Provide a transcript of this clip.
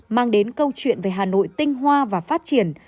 mang đến câu chuyện về hà nội tinh hoa và phát triển